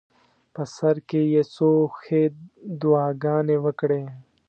په سر کې یې څو ښې دعاګانې وکړې.